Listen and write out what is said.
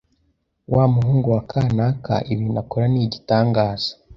wa muhungu wa kanaka ibintu akora ni igitangaza